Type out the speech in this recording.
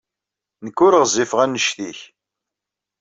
Nekk ur ɣezzifeɣ anect-nnek.